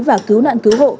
và cứu nạn cứu hộ